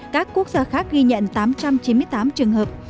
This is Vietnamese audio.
các quốc gia khác ghi nhận tám trăm chín mươi tám trường hợp